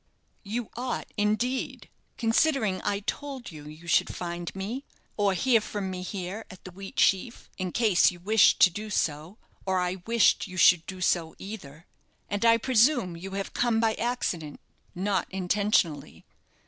"You ought, indeed, considering I told you you should find me, or hear from me here, at the 'Wheatsheaf,' in case you wished to do so, or I wished you should do so either. And I presume you have come by accident, not intentionally.